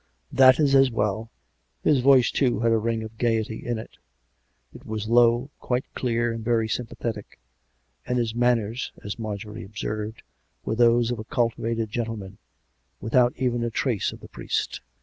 " That is as well." His voice, too, had a ring of gaiety in it; it was low, quite clear and very sympathetic; and his manners, as Marjorie observed, were those of a cultivated gentleman, without even a trace of the priest.